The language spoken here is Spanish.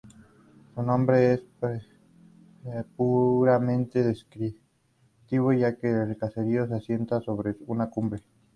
Su nombre es puramente descriptivo, ya que el caserío se asienta sobre una cumbre.